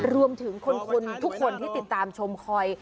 รวมถึงคนทุกคนที่ติดตามชมคอย